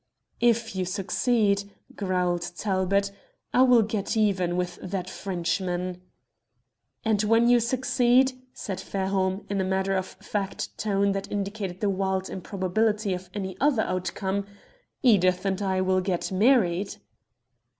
"If you succeed," growled Talbot, "I will get even with that Frenchman." "And when you succeed," said Fairholme, in a matter of fact tone that indicated the wild improbability of any other outcome, "Edith and I will get married!"